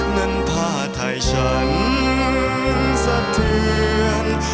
นั้นผ้าไทยฉันสะเทือน